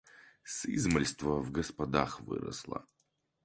Сызмальства в господах выросла.